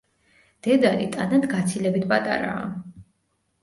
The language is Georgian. დედალი ტანად გაცილებით პატარაა.